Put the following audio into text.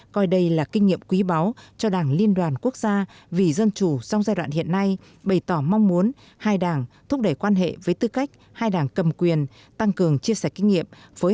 coi đây là kinh nghiệm quý báu cho đảng liên đoàn quốc gia vì dân chủ trong giai đoạn hiện nay bày tỏ mong muốn hai đảng thúc đẩy quan hệ với tư cách hai đảng cầm quyền tăng cường chia sẻ kinh nghiệm